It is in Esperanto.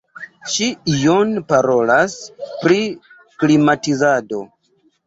Ŝi ion parolas pri klimatizado.